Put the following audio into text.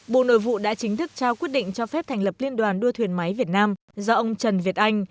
bộ nội vụ đã chính thức trao quyết định cho phép thành lập liên đoàn đua thuyền máy việt nam do ông trần việt anh